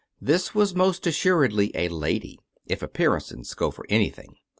This was most assuredly a lady, if appearances go for anything.